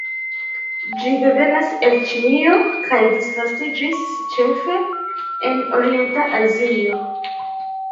Ĝi devenas el Ĉinio, kaj disvastiĝis ĉefe en orienta Azio.